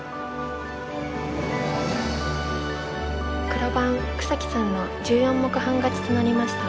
黒番草木さんの１４目半勝ちとなりました。